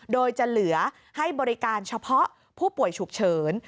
โดยจะเหลือให้บริการเฉพาะผู้ป่วยฉุกเฉิน